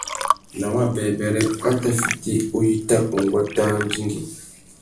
Nà wabêbêrê, wa tà fiti uyíta unguata râ andjingüî.